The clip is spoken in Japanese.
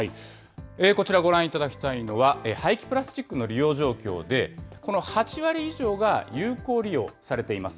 こちら、ご覧いただきたいのは、廃棄プラスチックの利用状況で、この８割以上が有効利用されています。